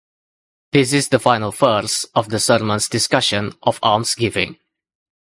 This is the final verse of the Sermon's discussion of alms giving.